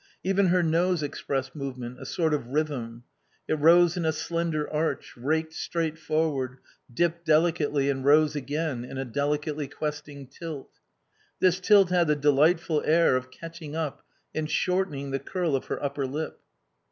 Even her nose expressed movement, a sort of rhythm. It rose in a slender arch, raked straight forward, dipped delicately and rose again in a delicately questing tilt. This tilt had the delightful air of catching up and shortening the curl of her upper lip.